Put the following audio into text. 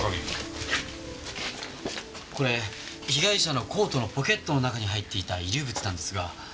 これ被害者のコートのポケットの中に入っていた遺留物なんですが。